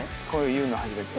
言うの初めてです。